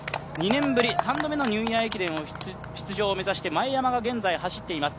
２年ぶり３度目のニューイヤー駅伝出場を目指して前山が現在走っています。